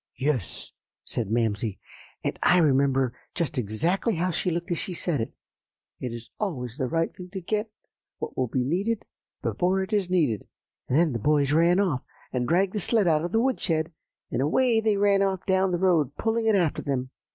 "'Yes,' said Mamsie, and I remember just exactly how she looked as she said it; 'it is always the right thing to get what will be needed, before it is needed.' And then the boys ran off, and dragged the sled out of the woodshed, and away they ran off down the road pulling it after them."